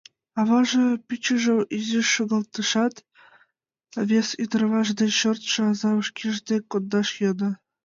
Аваже пӱчыжым изиш шогалтышат, вес ӱдырамаш деч шортшо азам шкеж дек кондаш йодо.